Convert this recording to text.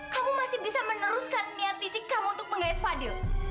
kamu masih bisa meneruskan niat fisik kamu untuk menggait fadil